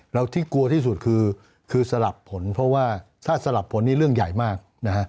เราที่กลัวที่สุดคือสลับผลเพราะว่าถ้าสลับผลนี่เรื่องใหญ่มากนะฮะ